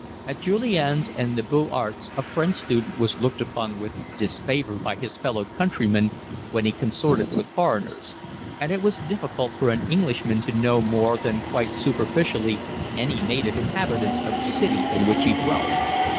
At Julian's and at the Beaux Arts a French student was looked upon with disfavour by his fellow countrymen when he consorted with foreigners, and it was difficult for an Englishman to know more than quite superficially any native inhabitants of the city in which he dwelt.